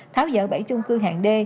tháo giở bảy chung cư hạng d